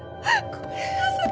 ごめんなさい！